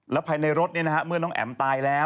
แล้วภายในรถเนี่ยนะฮะ